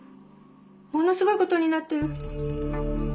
ものすごいことになってる。